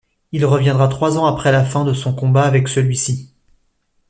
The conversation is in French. Il reviendra trois ans après la fin de son combat avec celui-ci.